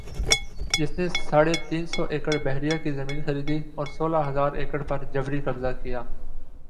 جس نے ساڑھے تین سو ایکڑبحریہ کی زمین خریدی اور سولہ ھزار ایکڑ پر جبری قبضہ کیا